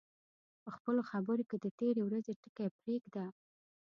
په خپلو خبرو کې د تېرې ورځې ټکي پرېږده